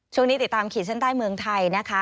ช่วงนี้ติดตามขีดเส้นใต้เมืองไทยนะคะ